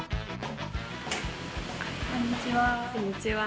こんにちは。